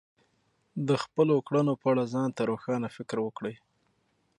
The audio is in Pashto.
د خپلو کړنو په اړه ځان ته روښانه فکر وکړئ.